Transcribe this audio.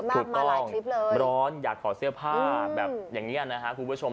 คือต้องร้อนอยากขอเสื้อผ้าแบบอย่างเงี่ยนะคุณผู้ชม